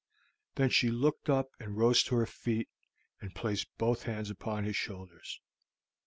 Then she looked up and rose to her feet, and placed both hands upon his shoulders.